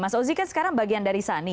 mas ozi kan sekarang bagian dari sani